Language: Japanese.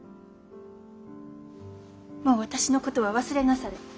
もう私のことは忘れなされ。